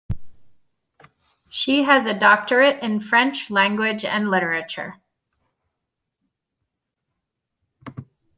She has a doctorate in French language and literature.